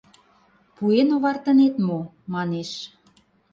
Пуэн овартынет мо? — манеш.